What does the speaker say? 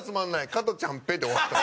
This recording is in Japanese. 加トちゃんペッ」で終わって。